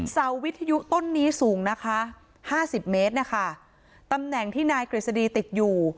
เสาวิทยุต้นนี้สูงนะคะห้าสิบเมตรนะคะตำแหน่งที่นายกฤษฎีติดอยู่